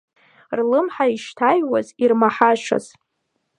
Рлымҳа ишҭаҩуаз ирмаҳашаз…